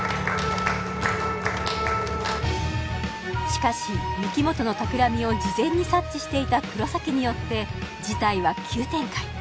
しかし御木本のたくらみを事前に察知していた黒崎によって事態は急展開